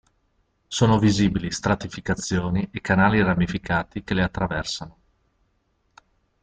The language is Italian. Sono visibili stratificazioni e canali ramificati che le attraversano.